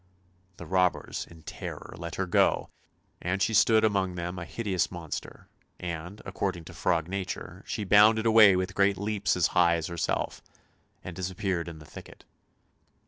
The robbers in terror let her go, and she stood among them a hideous monster; and, according to frog nature, she bounded away with great leaps as high as herself, and disappeared in the thicket.